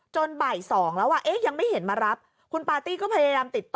บ่ายสองแล้วอ่ะเอ๊ะยังไม่เห็นมารับคุณปาร์ตี้ก็พยายามติดต่อ